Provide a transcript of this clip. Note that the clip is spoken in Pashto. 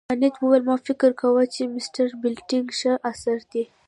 کانت وویل ما فکر کاوه چې مسټر برېټلنیګ ښه اثر دی.